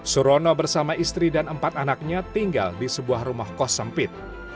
surono bersama istri dan empat anaknya tinggal di sebuah rumah kos sempit